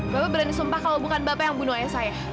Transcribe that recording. bapak berani sumpah kalau bukan bapak yang bunuh ayah saya